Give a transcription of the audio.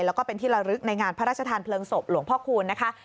แล้วก็เป็นที่ละลึกในงานพระราชทานเพลิงศพหลวงพ่อคูณนะคะ